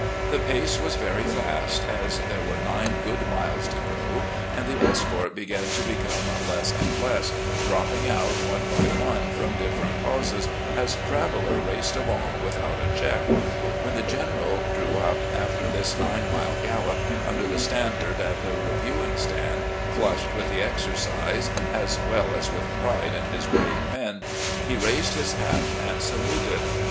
The pace was very fast, as there were nine good miles to go, and the escort began to become less and less, dropping out one by one from different causes as Traveller raced along without a check. When the General drew up, after this nine mile gallop, under the standard at the reviewing stand, flushed with the exercise as well as with pride in his brave men, he raised his hat and saluted.